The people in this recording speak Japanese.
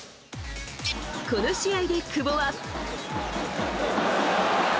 この試合で久保は。